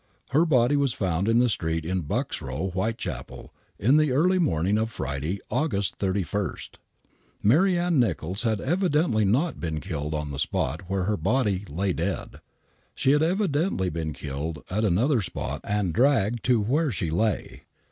Her body was found in the street in Buck's Kow, Whitechapel, in the early morning of Friday, August 31. Mary Ann NichoUs had evidently not been killed on the spot where her body lay dead. She had evidently been killed at another spot and dragged to where she lay.